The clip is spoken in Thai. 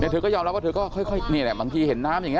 แต่เธอก็ยอมรับว่าเธอก็ค่อยบางทีเห็นน้ำอย่างนี้